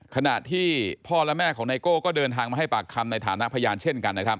ขณะที่พ่อและแม่ของไนโก้ก็เดินทางมาให้ปากคำในฐานะพยานเช่นกันนะครับ